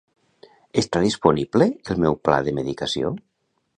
Està disponible el meu pla de medicació?